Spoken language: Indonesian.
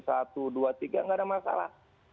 satu dua tiga nggak ada masalah